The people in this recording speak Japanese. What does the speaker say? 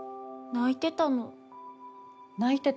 泣いてた？